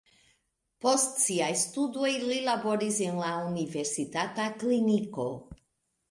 Post siaj studoj li laboris en la universitata kliniko.